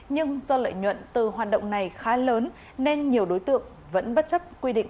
nhưng do lợi nhuận từ hoạt động này khá lớn nên nhiều đối tượng vẫn bất chấp quy định